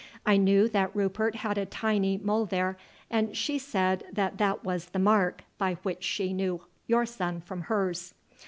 I knew that Rupert had a tiny mole there, and she said that that was the mark by which she knew your son from hers.